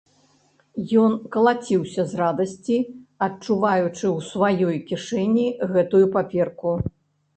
Ён калаціўся з радасці, адчуваючы ў сваёй кішэні гэтую паперку.